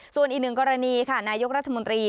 ส่วนอีกหนึ่งกรณีค่ะนายกรัฐมนตรี